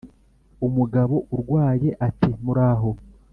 umugabo urwaye ati: "muraho."